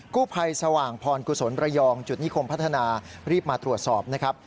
กู้ภัยสว่างพรกุศลประยองจุดนิคมพัฒนารีบมาตรวจสอบนะครับ